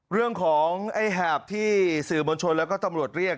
เรื่องของไอ้แหบที่สื่อมวลชนแล้วก็ตำรวจเรียก